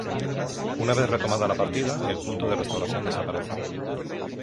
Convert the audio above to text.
Una vez retomada la partida, el punto de restauración desaparece.